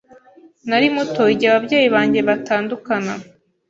Nari muto igihe ababyeyi banjye batandukana.